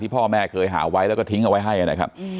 พ่อแม่เคยหาไว้แล้วก็ทิ้งเอาไว้ให้นะครับ